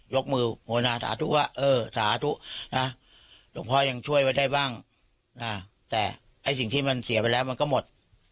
กมือโหนาสาธุว่าเออสาธุนะหลวงพ่อยังช่วยไว้ได้บ้างแต่ไอ้สิ่งที่มันเสียไปแล้วมันก็หมด